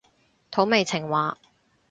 土味情話